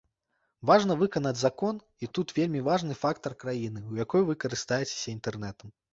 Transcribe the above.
Важна выканаць закон, і тут вельмі важны фактар краіны, у якой вы карыстаецеся інтэрнэтам.